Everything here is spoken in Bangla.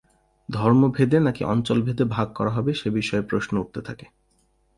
ধর্মভেদে নাকি অঞ্চলভেদে ভাগ করা হবে সে বিষয়ে প্রশ্ন উঠতে থাকে।